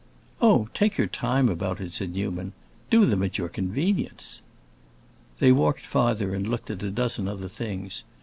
"Oh, take your time about it," said Newman. "Do them at your convenience." They walked farther and looked at a dozen other things.